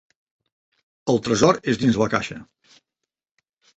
El tresor és dins la caixa.